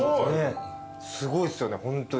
・すごいっすよねホント。